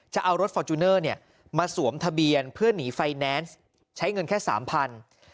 จะเอารถฟอร์จูเนอร์มาสวมทะเบียนเพื่อหนีไฟแนนซ์ใช้เงินแค่๓๐๐บาท